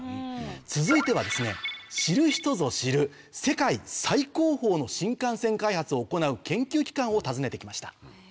続いては知る人ぞ知る世界最高峰の新幹線開発を行う研究機関を訪ねて来ました。